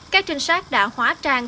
các trinh sát đã hóa trang